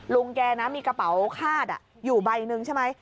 ลุงแกนะมีกระเป๋าคาดอยู่ใบหนึ่งใช่ไหม